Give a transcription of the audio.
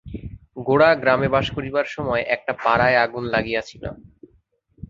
গোরা গ্রামে বাস করিবার সময় একটা পাড়ায় আগুন লাগিয়াছিল।